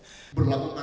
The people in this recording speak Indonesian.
berlaku penamping juga